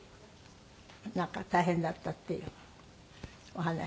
なんか大変だったっていうお話。